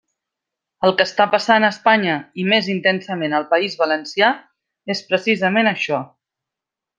El que està passant a Espanya, i més intensament al País Valencià, és precisament això.